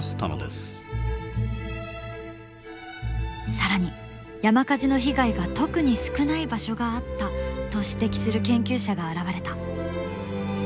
更に山火事の被害が特に少ない場所があったと指摘する研究者が現れた。